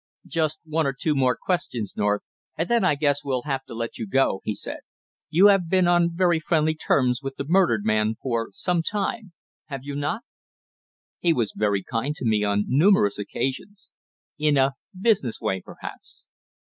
"Just one or two more questions, North, and then I guess we'll have to let you go," he said. "You have been on very friendly terms with the murdered man for some time, have you not?" "He was very kind to me on numerous occasions." "In a business way, perhaps?"